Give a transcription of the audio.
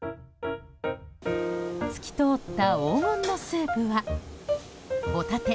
透き通った黄金のスープはホタテ